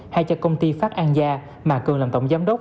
hay cho công ty phát an gia mà cường làm tổng giám đốc